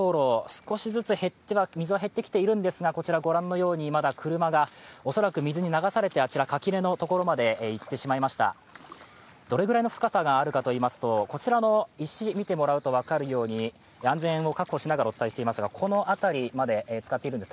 少しずつ水は減ってはきているんですが、こちらご覧のようにまだ車が恐らく水に流されてあちら垣根のところまで行ってしまいました、どれぐらいの深さがあるかといいますとこちらの石を見てもらうと分かるように、安全を確保しながらお伝えしていますがこの辺りまで浸かっているんです。